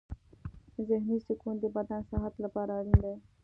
ذهني سکون د بدن صحت لپاره اړین دی.